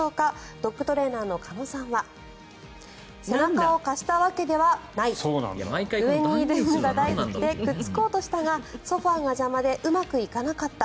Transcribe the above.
ドッグトレーナーの鹿野さんは背中を貸したわけではない上にいる犬が大好きでくっつこうとしたがソファが邪魔でうまくいかなかった。